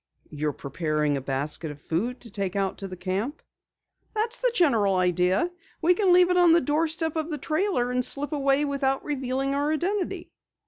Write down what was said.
"You're preparing a basket of food to take out to the camp?" "That's the general idea. We can leave it on the doorstep of the trailer and slip away without revealing our identity."